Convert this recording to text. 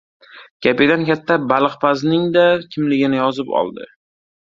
Kapitan katta baliqpazning-da kimligini yozib oldi.